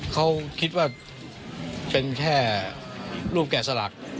เขาคิดว่าเป็นแค่รูปแก่สลัก